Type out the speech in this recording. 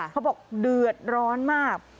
เขาบอกเดือดร้อนมาก